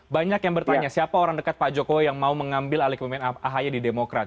banyak yang bertanya siapa orang dekat pak jokowi yang mau mengambil alih ke pemimpin ahi di demokrat